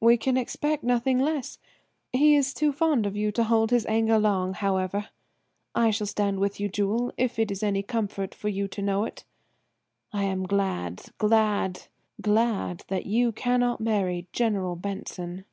"We can expect nothing less. He is too fond of you to hold his anger long, however. I shall stand with you, Jewel, if it is any comfort for you to know it. I am glad, glad, glad, that you cannot marry General Benson."